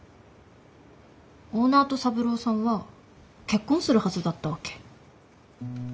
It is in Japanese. オーナーと三郎さんは結婚するはずだったわけ。